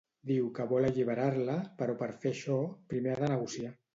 Diu que vol alliberar-la, però per fer això, primer ha de negociar.